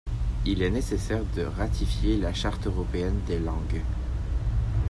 Il est nécessaire de ratifier la Charte européenne des langues.